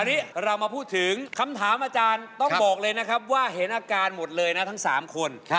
อันนี้เรามาพูดถึงคำถามอาจารย์ต้องบอกเลยนะครับว่าเห็นอาการหมดเลยนะทั้ง๓คน